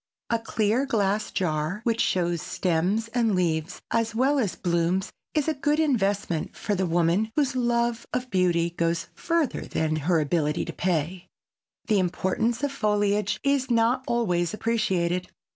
A clear glass jar which shows stems and leaves as well as blooms is a good investment for the woman whose love of beauty goes further than her ability to pay. The importance of foliage is not always appreciated.